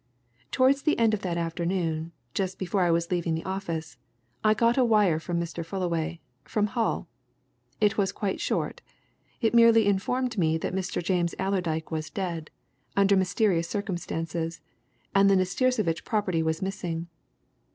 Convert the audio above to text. "Towards the end of that afternoon, just before I was leaving the office, I got a wire from Mr. Fullaway, from Hull. It was quite short it merely informed me that Mr. James Allerdyke was dead, under mysterious circumstances, and that the Nastirsevitch property was missing.